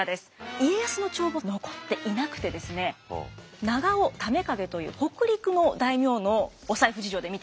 家康の帳簿は残っていなくてですね長尾為景という北陸の大名のお財布事情で見ていこうと思います。